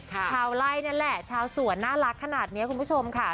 ชาวไล่นั่นแหละชาวสวนน่ารักขนาดนี้คุณผู้ชมค่ะ